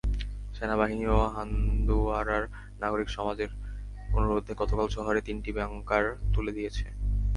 সেনাবাহিনীও হান্দোয়ারার নাগরিক সমাজের অনুরোধে গতকাল শহরের তিনটি বাংকার তুলে দিয়েছে।